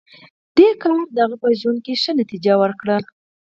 دې کار د هغه په ژوند کې ښه نتېجه ورکړه